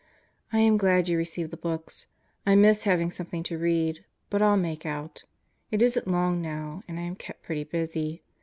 I am glad you received the books. I miss having something to read, but 111 make out. It isn't long now and I am kept pretty busy.